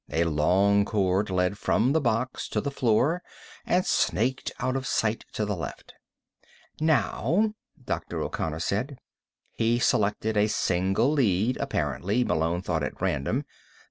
A long cord led from the box to the floor, and snaked out of sight to the left. "Now," Dr. O'Connor said. He selected a single lead, apparently, Malone thought, at random.